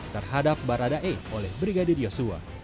terhadap baradae oleh brigadir yosua